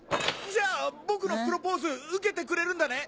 じゃあ僕のプロポーズ受けてくれるんだね？